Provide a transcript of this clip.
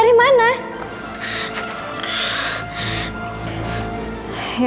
aku apaan sih ini